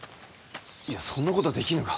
いやそんなことはできぬが。